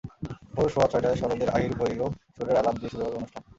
ভোর সোয়া ছয়টায় সরোদের আহীর-ভৈরব সুরের আলাপ দিয়ে শুরু হবে অনুষ্ঠান।